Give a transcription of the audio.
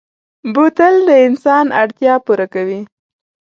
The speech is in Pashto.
بوتل د انسان اړتیا پوره کوي.